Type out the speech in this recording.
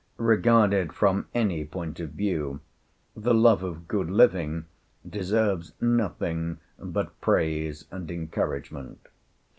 Regarded from any point of view, the love of good living deserves nothing but praise and encouragement.